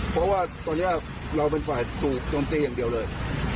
เพราะว่าตอนนี้เราเป็นฝ่ายถูกโจมตีอย่างเดียวเลย